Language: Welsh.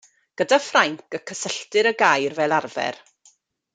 Gyda Ffrainc y cysylltir y gair fel arfer.